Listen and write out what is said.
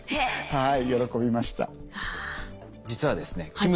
はい。